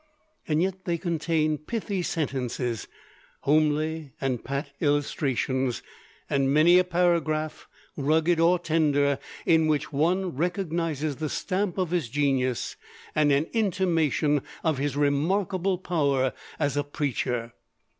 Yet they contain pithy sentences, homely and pat illustrations, and many a paragraph, rugged or tender, in which one recognizes the stamp of his genius, and an intimation of his remarkable power as a preacher.